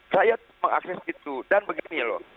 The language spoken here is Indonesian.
saya mengakses itu dan begini loh